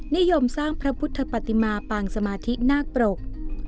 นิยมสร้างพระพุทธปฏิมาปางสมาธินาคปรก